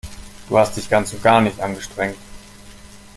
Du hast dich ganz und gar nicht angestrengt.